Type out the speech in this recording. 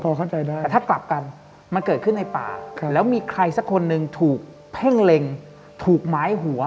แล้วก็กลับกันมันเกิดขึ้นในป่าแล้วมีใครสักคนหนึ่งถูกเพ่งเล็งถูกม้ายหัว